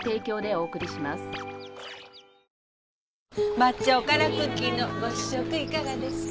抹茶おからクッキーのご試食いかがですか？